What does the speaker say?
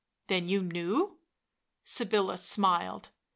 "Then you knew?" Sybilla smiled.